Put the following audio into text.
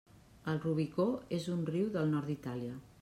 El Rubicó és un riu del nord d'Itàlia.